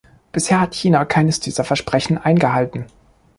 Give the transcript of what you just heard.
Bisher hat China keines dieser Versprechen eingehalten.